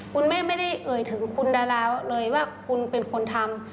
คุณแม่ไม่ได้เอ่ยถึงคุณดาราเลยว่าคุณเป็นคนทำ